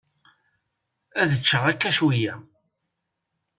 Ad ččeɣ akka cwiya.